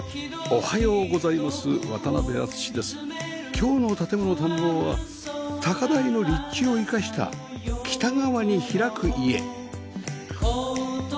今日の『建もの探訪』は高台の立地を生かした北側に開く家